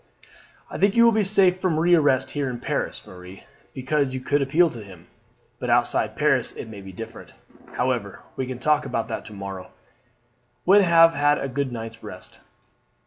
"I think you will be safe from re arrest here in Paris, Marie, because you could appeal to him; but outside Paris it might be different. However, we can talk about that to morrow, when you have had a good night's rest."